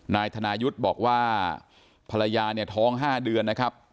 นายธนายุทธ์บอกว่าภรรยาเนี่ยท้อง๕เดือนนะครับ